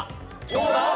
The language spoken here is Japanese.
どうだ？